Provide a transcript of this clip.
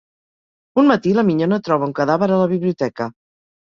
Un matí, la minyona troba un cadàver a la biblioteca.